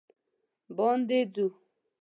باندې ځو